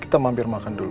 kita mampir makan dulu